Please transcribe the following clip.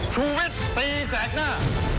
ชุวิตตีแสนหน้า